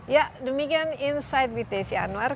ya demikian insight with desi anwar